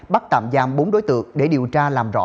bắt tạm giam bốn đối tượng để điều tra làm rõ